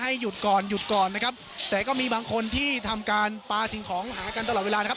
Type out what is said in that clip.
หยุดก่อนหยุดก่อนนะครับแต่ก็มีบางคนที่ทำการปลาสิ่งของหากันตลอดเวลานะครับ